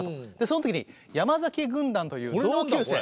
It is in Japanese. その時に山崎軍団という同級生。